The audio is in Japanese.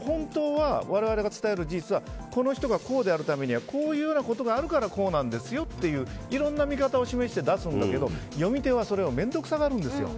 我々が本当に伝える事実はこの人がこうであるためにはこういうことがあるからこうなんですよといういろんな見方を示して出すんだけど読み手はそれを面倒くさがるんですよ。